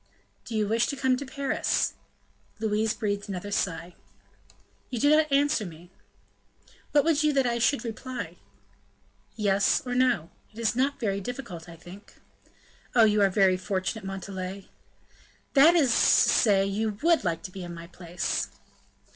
"Do you wish to come to Paris?" Louise breathed another sigh. "You do not answer me." "What would you that I should reply?" "Yes or no; that is not very difficult, I think." "Oh! you are very fortunate, Montalais!" "That is to say you would like to be in my place."